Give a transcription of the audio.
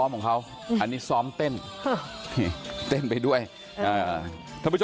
แล้วอันนี้ก็เปิดแล้ว